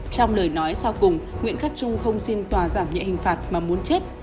trong lời nói sau cùng nguyễn khắc trung không xin tòa giảm nhẹ hình phạt mà muốn chết